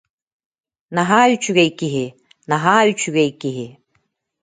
Наһаа үчүгэй киһи, наһаа үчүгэй киһи